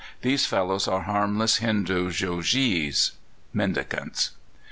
These fellows are harmless Hindoo jogees" (mendicants).